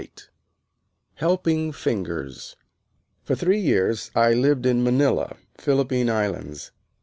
"_ HELPING FINGERS For three years I lived in Manila, Philippine Islands.